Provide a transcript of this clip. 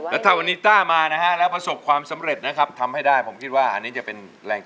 แล้วถ้าวันนี้ต้ามานะฮะแล้วประสบความสำเร็จนะครับทำให้ได้ผมคิดว่าอันนี้จะเป็นแรง